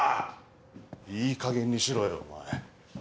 いいかげんにしろよお前。